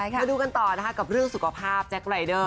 มาดูกันต่อนะคะกับเรื่องสุขภาพแจ็ครายเดอร์